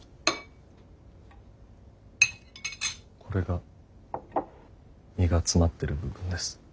これが身が詰まってる部分です。